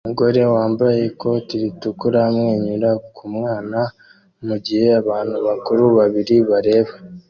Umugore wambaye ikoti ritukura amwenyura ku mwana mugihe abantu bakuru babiri bareba